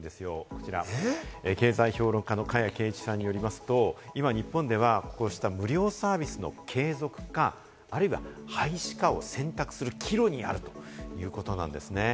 こちら経済評論家の加谷珪一さんによりますと、今、日本ではこうした無料サービスの継続か、あるいは廃止かを選択する岐路にあるということなんですね。